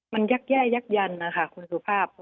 มันยักแย่ยักยันนะคะคุณสุภาพ